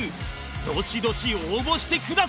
どしどし応募してください